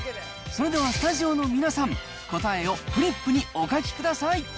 それではスタジオの皆さん、答えをフリップにお書きください。